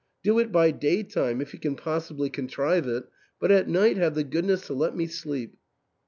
Do it by daytime, if you can possibly con trive it, but at night have the goodness to let me sleep."